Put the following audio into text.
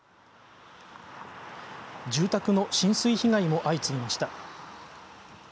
住宅の浸水被害も相次ぎました。